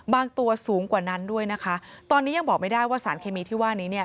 ตัวสูงกว่านั้นด้วยนะคะตอนนี้ยังบอกไม่ได้ว่าสารเคมีที่ว่านี้เนี่ย